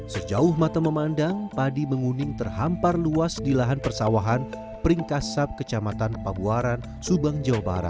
sejauh mata memandang padi menguning terhampar luas di lahan persawahan peringkasap kecamatan pabuaran subang jawa barat